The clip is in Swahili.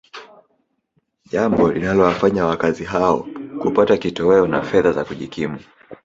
jambo linalowafanya wakazi hao kupata kitoweo na fedha za kujikimu